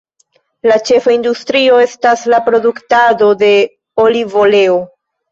La ĉefa industrio estas la produktado de olivoleo.